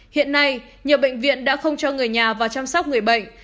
hiện nay nhiều bệnh viện đã không cho người nhà vào chăm sóc người bệnh